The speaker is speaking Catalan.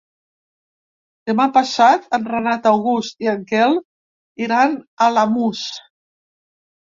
Demà passat en Renat August i en Quel iran als Alamús.